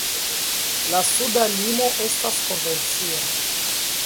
La suda limo estas konvencia.